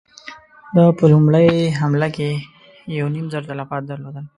ده په لومړۍ حمله کې يو نيم زر تلفات درلودل.